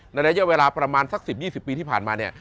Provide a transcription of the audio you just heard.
ระยะเวลาประมาณสัก๑๐๒๐ปีที่ผ่านมาเนี่ย